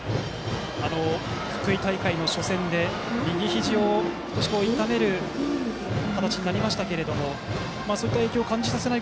福井大会の初戦で右ひじを少し痛める形になりましたが、そういった影響を感じさせない